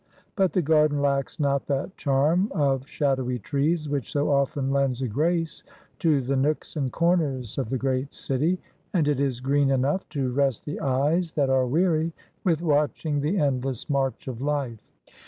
But the garden lacks not that charm of shadowy trees which so often lends a grace to the nooks and corners of the great city, and it is green enough to rest the eyes that are weary with watching the endless march of life.